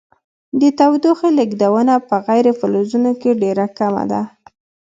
د تودوخې لیږدونه په غیر فلزونو کې ډیره کمه ده.